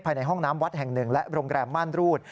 ภายในห้องน้ำวัดแห่งหนึ่งและโรงแรมม่านรูด